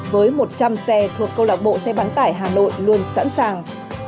với một trăm linh xe thuộc câu lạc bộ xe bán tải hà nội luôn sẵn sàng